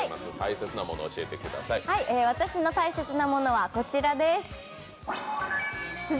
私の大切なものはこちらです。